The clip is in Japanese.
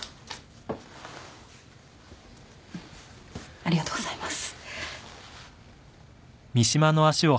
ありがとうございます。